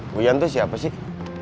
bu ian itu siapa sih